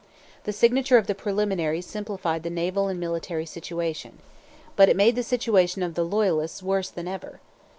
The signature of the preliminaries simplified the naval and military situation. But it made the situation of the Loyalists worse than ever.